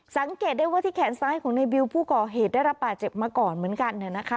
สังเกตได้ว่าที่แขนซ้ายของในบิวผู้ก่อเหตุได้รับบาดเจ็บมาก่อนเหมือนกัน